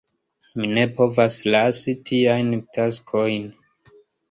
Mi ne povas lasi tiajn taskojn.